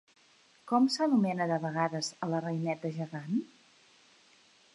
Com s'anomena de vegades a la reineta gegant?